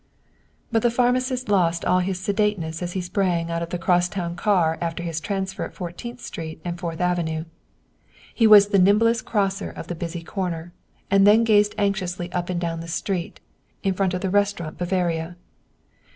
But the pharmacist lost all his sedateness as he sprang out of the crosstown car after his transfer at Fourteenth Street and Fourth Avenue. He was the nimblest crosser of the busy corner, and then gazed anxiously up and down the street, in front of the Restaurant Bavaria.